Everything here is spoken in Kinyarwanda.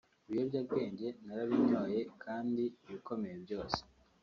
Ibiyobyabwenge narabinyoye kandi ibikomeye byose